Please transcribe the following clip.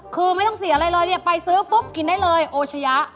คือไม่ต้องเสียอะไรเลยเนี่ยไปซื้อปุ๊บกินได้เลยโอชะยะ